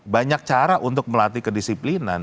banyak cara untuk melatih kedisiplinan